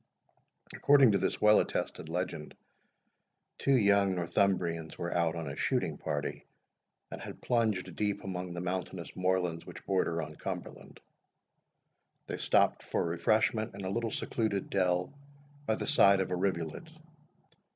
According to this well attested legend, two young Northumbrians were out on a shooting party, and had plunged deep among the mountainous moorlands which border on Cumberland. They stopped for refreshment in a little secluded dell by the side of a rivulet.